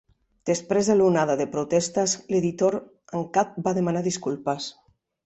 Després de l'onada de protestes, l'editor en cap va demanar disculpes.